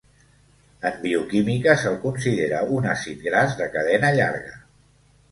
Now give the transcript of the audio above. En bioquímica se'l considera un àcid gras de cadena llarga.